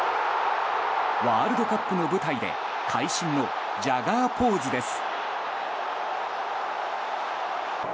ワールドカップの舞台で会心のジャガーポーズです。